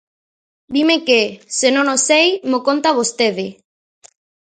Dime que, se non o sei, mo conta vostede.